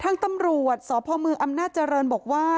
ทั้งตำรวจสมอเจริญบอกว่า